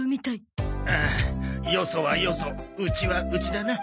ああよそはよそうちはうちだな。